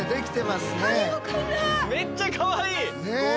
めっちゃかわいい！